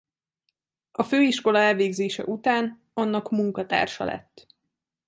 A főiskola elvégzése után annak munkatársa lett.